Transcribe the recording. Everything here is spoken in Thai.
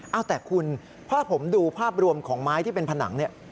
เอาแต่คุณถ้าผมดูภาพรวมของไม้ที่เป็นผนังเนี่ย